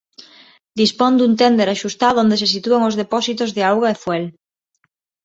Dispón dun ténder axustado onde se sitúan os depósitos de auga e fuel.